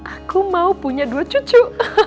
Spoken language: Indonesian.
aku mau punya dua cucu